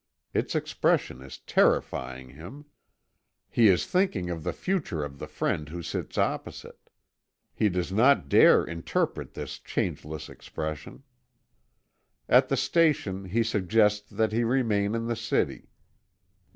Its expression is terrifying him. He is thinking of the future of the friend who sits opposite. He does not dare interpret this changeless expression. At the station he suggests that he remain in the city.